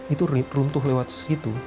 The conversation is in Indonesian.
itu runtuh lewat situ